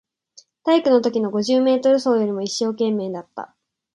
体育のときの五十メートル走よりも一生懸命だった